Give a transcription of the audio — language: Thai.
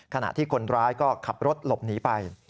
ขณะที่คนร้ายก็ขับรถหลบหนีไป